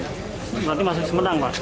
berarti masuk semedang pak